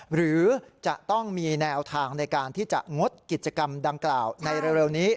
หรือจะต้องมีแนวทางในการที่จะงดกิจกรรมดังกล่าวในเร็วนี้